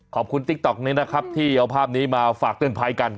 ติ๊กต๊อกนี้นะครับที่เอาภาพนี้มาฝากเตือนภัยกัน